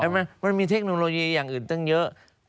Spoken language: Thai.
มันมีเทคโนโลยีอย่างอื่นตั้งเยอะ